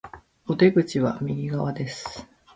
お出口は右側です